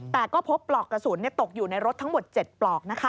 แต่ก็พบปลอกกระสุนตกอยู่ในรถทั้งหมด๗ปลอกนะคะ